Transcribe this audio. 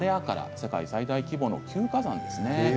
世界最大規模の休火山ですね。